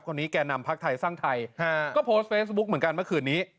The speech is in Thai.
แก่นำพักไทยสร้างไทยก็โพสต์เฟซบุ๊กเหมือนกันเมื่อคืนนี้